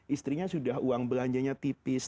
istrinya sudah uang belanjanya tipis